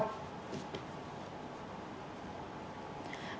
để xử lý sau